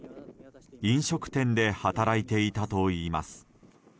飲食店で働いていたといいます。